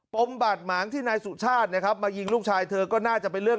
มบาดหมางที่นายสุชาตินะครับมายิงลูกชายเธอก็น่าจะเป็นเรื่อง